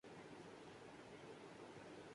علی ظفر اور زارا نور عباس کی پرفارمنس کی ویڈیو وائرل